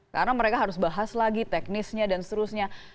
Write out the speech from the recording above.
karena mereka harus bahas lagi teknisnya dan seterusnya